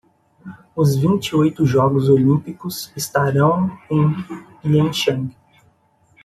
Os vinte e oito Jogos Olímpicos estarão em Pyeongchang.